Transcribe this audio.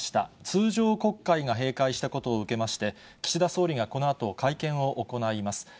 通常国会が閉会したことを受けまして、岸田総理がこのあと、会見を行います。